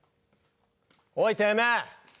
おいてめえ！